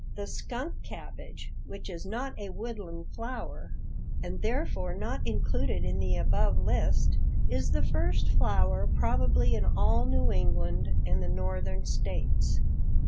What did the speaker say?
The skunk cabbage, which is not a woodland flower, and therefore not included in the above list, is the first flower probably in all New England and the northern states.